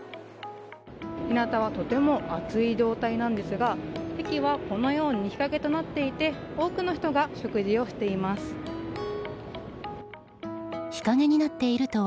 日なたはとても暑い状態なんですがこのように日陰にもなっていて多くの人が食事をとっています。